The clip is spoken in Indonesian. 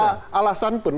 tanpa alasan pun